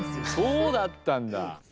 そうだったんだ！